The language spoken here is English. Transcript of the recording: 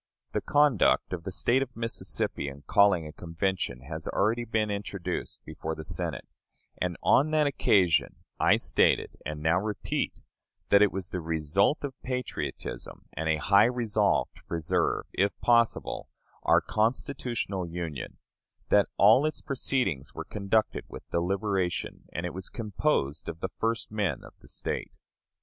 The conduct of the State of Mississippi in calling a convention has already been introduced before the Senate; and on that occasion I stated, and now repeat, that it was the result of patriotism, and a high resolve to preserve, if possible, our constitutional Union; that all its proceedings were conducted with deliberation, and it was composed of the first men of the State.